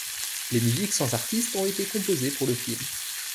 Les musiques sans artistes ont été composées pour le film.